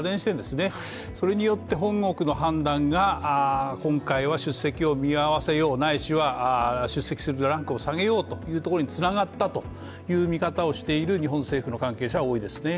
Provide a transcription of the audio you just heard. それによって本国の判断が今回は出席を見合わせよう、ないしはランクを下げようというつながったという見方をしている日本政府の関係者は多いですね。